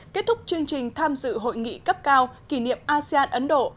kết thúc chương trình tham dự hội nghị cấp cao kỷ niệm asean ấn độ